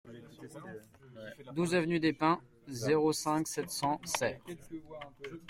douze avenue des Pins, zéro cinq, sept cents, Serres